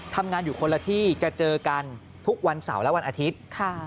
ทำงานอยู่คนละที่จะเจอกันทุกวันเสาร์และวันอาทิตย์